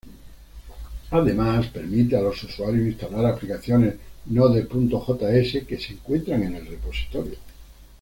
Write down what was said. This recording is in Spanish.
Además, permite a los usuarios instalar aplicaciones Node.js que se encuentran en el repositorio.